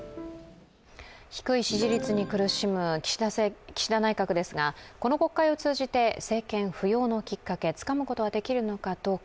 低い支持率に苦しむ岸田内閣ですがこの国会を通じて、政権浮揚のきっかけ、つかむことができるのかどうか。